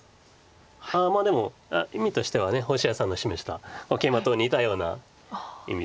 ああまあでも意味としては星合さんの示したこのケイマと似たような意味で。